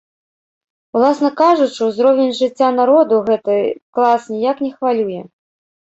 Уласна кажучы, узровень жыцця народу гэты клас ніяк не хвалюе.